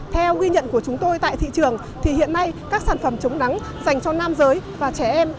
theo ghi nhận của chúng tôi tại thị trường thì hiện nay các sản phẩm chống nắng dành cho nam giới và trẻ em